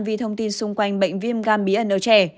vì thông tin xung quanh bệnh viêm gan bí ẩn nấu trẻ